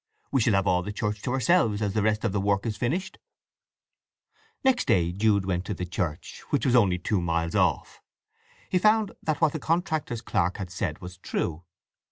We shall have all the church to ourselves, as the rest of the work is finished." Next day Jude went out to the church, which was only two miles off. He found that what the contractor's clerk had said was true.